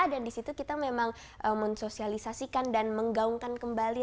dan di situ kita memang mensosialisasikan dan menggaungkan kembali